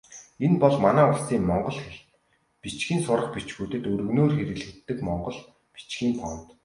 Энэ бол манай улсын монгол хэл, бичгийн сурах бичгүүдэд өргөнөөр хэрэглэдэг монгол бичгийн фонт.